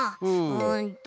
うんと。